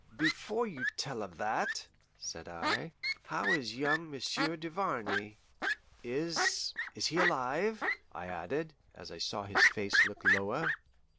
"Before you tell of that," said I, "how is young Monsieur Duvarney? Is is he alive?" I added, as I saw his face look lower.